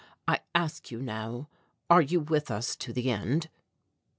I ask you now, Are you with us to the end?"